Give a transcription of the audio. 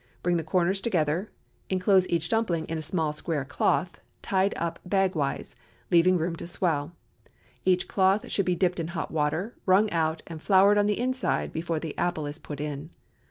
Bring the corners together; enclose each dumpling in a small square cloth, tied up bag wise, leaving room to swell. Each cloth should be dipped in hot water, wrung out and floured on the inside before the apple is put in.